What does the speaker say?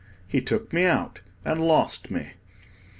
He took me out and lost me.